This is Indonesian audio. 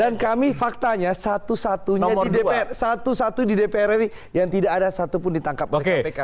dan kami faktanya satu satunya di dpr ri yang tidak ada satu pun ditangkap oleh kpk